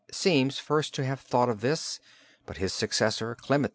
seems first to have thought of this but his successor Clement IV.